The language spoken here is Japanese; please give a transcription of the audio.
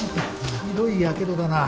ひどいやけどだな。